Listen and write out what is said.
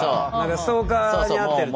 ストーカーに遭ってると。